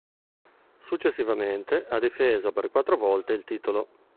Successivamente ha difeso per quattro volte il titolo.